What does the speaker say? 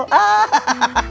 sepp ada ada aja